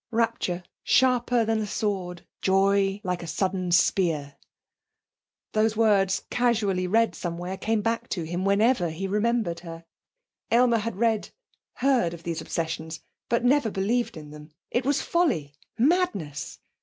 'Rapture sharper than a sword, Joy like o sudden spear.' These words, casually read somewhere, came back to him whenever he remembered her! Aylmer had read, heard of these obsessions, but never believed in them. It was folly, madness!